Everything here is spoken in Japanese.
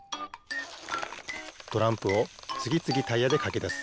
トランプをつぎつぎタイヤでかきだす